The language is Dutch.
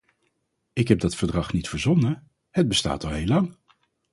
Ik heb dat verdrag niet verzonnen, het bestaat al heel lang.